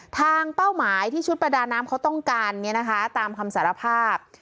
เป้าหมายที่ชุดประดาน้ำเขาต้องการตามคำสารภาพ